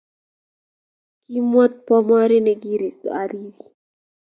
Kimwat bomori nekiristo ariri